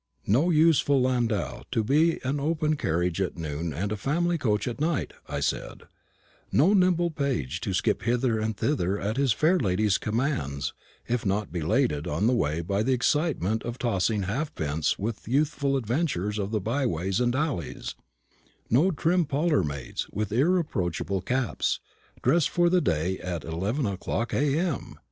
"No useful landau, to be an open carriage at noon and a family coach at night," I said; "no nimble page to skip hither and thither at his fair lady's commands, if not belated on the way by the excitement of tossing halfpence with youthful adventurers of the byways and alleys; no trim parlour maids, with irreproachable caps, dressed for the day at 11 o'clock A.M.